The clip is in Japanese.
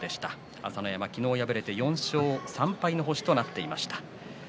朝乃山、昨日敗れて４勝３敗の星となっていました。